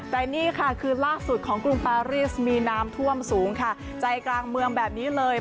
แต่คราวล่างสุดของกรุงปาริสมีน้ำท่วมสูงใจกลางเหมือนแบบนี้เลย